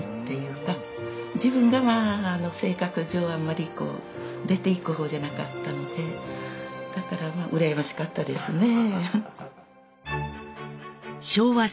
自分が性格上あんまりこう出ていく方じゃなかったのでだから羨ましかったですねえ。